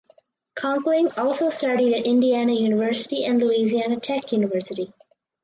Conkling also studied at Indiana University and Louisiana Tech University.